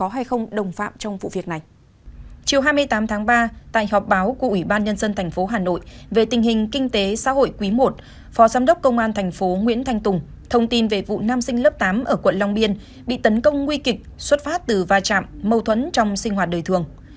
họ giám đốc công an thành phố nguyễn thanh tùng thông tin về vụ nam sinh lớp tám ở quận long biên bị tấn công nguy kịch xuất phát từ va chạm mâu thuẫn trong sinh hoạt đời thường